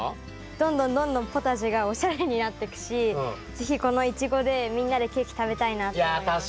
どんどんどんどんポタジェがおしゃれになってくし是非このイチゴでみんなでケーキ食べたいなって思いました。